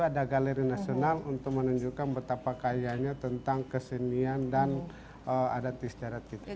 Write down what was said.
ada galeri nasional untuk menunjukkan betapa kaya nya tentang kesenian dan adat istirahat kita